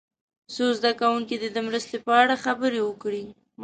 څو زده کوونکي دې د مرستې په اړه خبرې وکړي.